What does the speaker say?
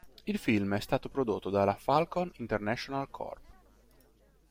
Il film è stato prodotto dalla Falcon International Corp.